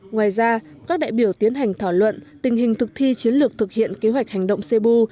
ngoài ra các đại biểu tiến hành thảo luận tình hình thực thi chiến lược thực hiện kế hoạch hành động cu